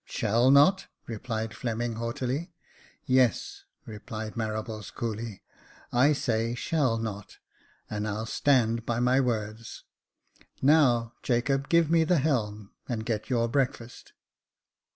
*' Shall not ?" replied Fleming, haughtily. " Yes," replied Marables, coolly ;*' I say shall not, and I'll stand by my words. Now, Jacob, give me the helm, and get your breakfast."